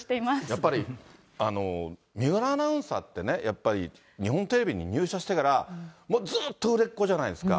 やっぱり水卜アナウンサーってね、やっぱり、日本テレビに入社してから、もうずっと売れっ子じゃないですか。